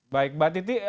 baik mbak titi